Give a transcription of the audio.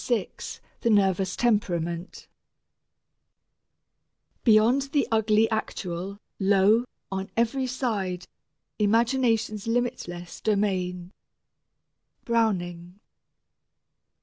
VI THE NERVOUS TEMPERAMENT Beyond the ugly actual, lo, on every side, Imagination's limitless domain. BROWNING.